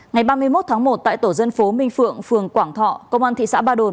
ngày ba mươi một tháng một tại tổ dân phố minh phượng phường quảng thọ công an thị xã ba đồn